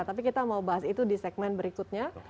tapi kita mau bahas itu di segmen berikutnya